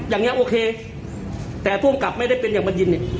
อย่างนี้โอเคแต่ภูมิกับไม่ได้เป็นอย่างบัญญินเนี่ย